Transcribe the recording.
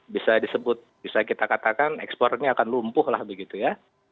bisa disebut bisa kita katakan ekspor ini akan lumpuh lah begitu ya